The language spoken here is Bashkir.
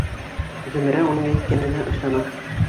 Зөмрә уның әйткәненә ышана: